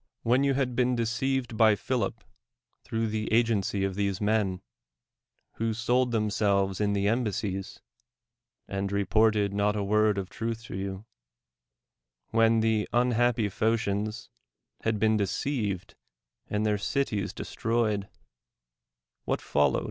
AVhen you had been deceived by Philip through the agency of these men, wdio sold them selves in the embassies, and reported not a word of truth to you — when the unhappy Phoeians had boi'ii (lei eived <ind their cities destroyed —• what follow!